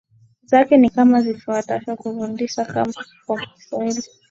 zake ni kama zifuatazo Kufundisha kwa kiswahili